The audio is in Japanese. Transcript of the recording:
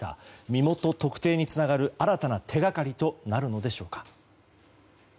身元特定につながる新たな手掛かりとなるのでしょうか。